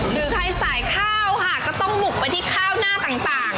หรือใครสายข้าวค่ะก็ต้องบุกไปที่ข้าวหน้าต่าง